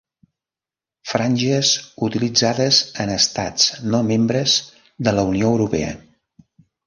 Franges utilitzades en estats no membres de la Unió Europea.